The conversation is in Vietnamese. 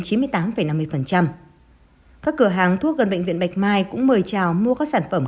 các cửa hàng thuốc gần bệnh viện bạch mai cũng mời trào mua các sản phẩm